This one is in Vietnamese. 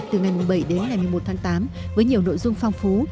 từ ngày bảy đến ngày một mươi một tháng tám với nhiều nội dung phong phú